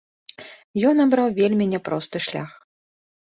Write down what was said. Ён абраў вельмі няпросты шлях.